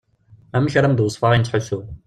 Amek ara am-d-wesfeɣ ayen ttḥussuɣ.